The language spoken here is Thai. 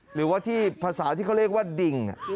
หรือว่าที่ภาษาที่เขาเรียกว่าดิ่ง